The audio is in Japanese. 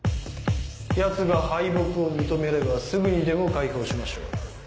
ヤツが敗北を認めればすぐにでも解放しましょう。